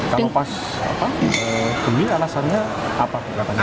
kalau pas beli alasannya apa